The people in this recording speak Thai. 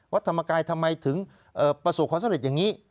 ธรรมกายทำไมถึงประสบความสำเร็จอย่างนี้